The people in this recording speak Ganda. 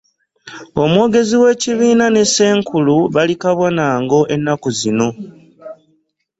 Omwogezi w'ekibiina ne Ssenkulu bali kabwa na ngo ennaku zino.